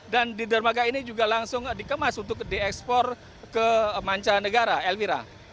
dan di dermaga ini juga langsung dikemas untuk diekspor ke manca negara elvira